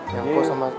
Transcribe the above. yang kok sama